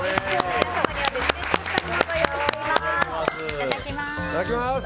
皆さんには別で作ったものをご用意しております。